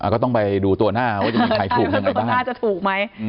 ก็ต้องไปดูตัวหน้าว่าจะถูกไหม